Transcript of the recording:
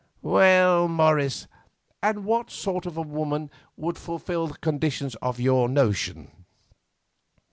"Well, Morris, and what sort of a woman would fulfil the conditions, to your notion?"